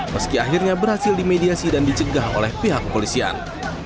meski akhirnya berhasil dimediasi dan dicegah oleh pihak kepolisian